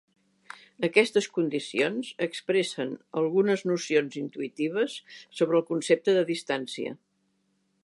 Aquestes condicions expressen algunes nocions intuïtives sobre el concepte de distància.